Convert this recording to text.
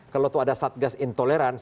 kalau itu ada satgas intoleransi